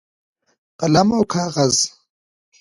قلم او کاغذ